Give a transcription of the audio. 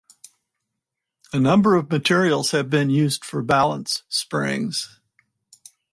A number of materials have been used for balance springs.